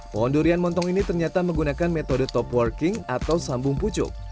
pohon durian montong ini ternyata menggunakan metode top working atau sambung pucuk